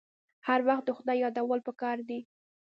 هر وخت د خدای یادول پکار دي.